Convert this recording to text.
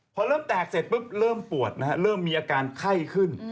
พอเริ่มแตกเสร็จปุ๊บเริ่มปวดมีอาการไข้ขึ้น